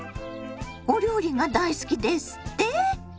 お料理が大好きですって？